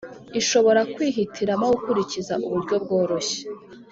ishobora kwihitiramo gukurikiza uburyo bworoshye